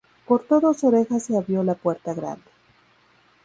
Cortó dos orejas y abrió la puerta grande.